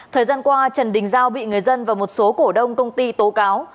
thời gian qua trần đình giao bị người dân và một số cổ đông công ty tố cáo